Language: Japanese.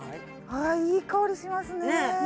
あいい香りしますねねぇ